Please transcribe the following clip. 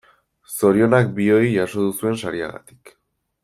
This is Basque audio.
Zorionak bioi jaso duzuen sariagatik.